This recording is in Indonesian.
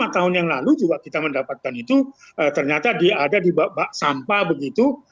lima tahun yang lalu juga kita mendapatkan itu ternyata dia ada di sampah begitu